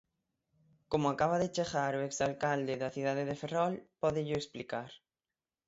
Como acaba de chegar o exalcalde da cidade de Ferrol, pódello explicar.